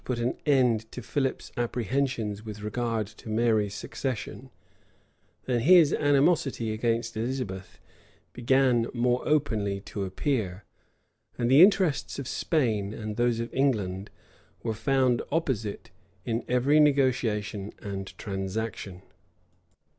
put an end to Philip's apprehensions with regard to Mary's succession, than his animosity against Elizabeth began more openly to appear; and the interests of Spain and those of England were found opposite in every negotiation and transaction.